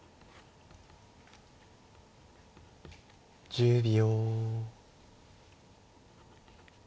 １０秒。